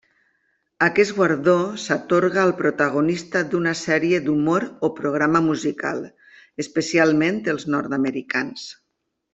Aquest guardó s'atorga al protagonista d'una sèrie d'humor o programa musical, especialment els nord-americans.